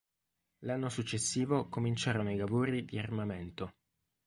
L'anno successivo cominciarono i lavori di armamento.